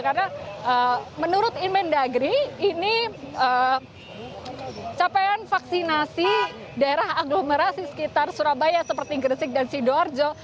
karena menurut inbendagri ini capaian vaksinasi daerah aglomerasi sekitar surabaya seperti gresik dan sidoarjo